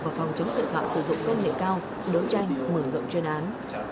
và phòng chống tội phạm sử dụng vấn đề cao đối tranh mở rộng trên án